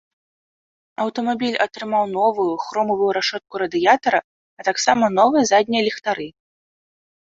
Аўтамабіль атрымаў новую, хромавую рашотку радыятара, а таксама новыя заднія ліхтары.